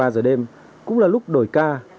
hai mươi ba giờ đêm cũng là lúc đổi ca